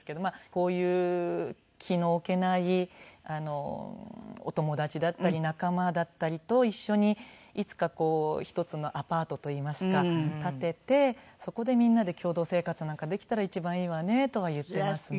こういう気の置けないお友達だったり仲間だったりと一緒にいつか１つのアパートといいますか建ててそこでみんなで共同生活なんかできたら一番いいわねとは言っていますね。